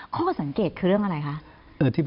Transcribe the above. ข้อสังเกตคือเรื่องอะไรคะ